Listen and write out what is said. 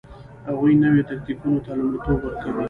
هغوی نویو تکتیکونو ته لومړیتوب ورکوي